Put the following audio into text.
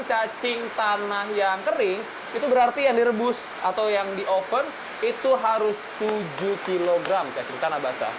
cacing tanah yang kering itu berarti yang direbus atau yang di oven itu harus tujuh kg cacing tanah basah